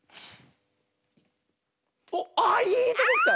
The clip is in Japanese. おっああいいとこきた！